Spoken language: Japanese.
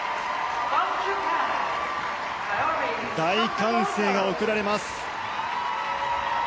大歓声が送られます。